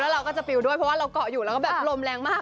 เราก็จะปิวด้วยเพราะว่าเราเกาะอยู่แล้วก็แบบลมแรงมาก